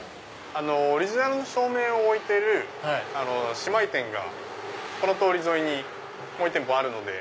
オリジナルの照明を置いてる姉妹店がこの通り沿いにもう１店舗あるんで。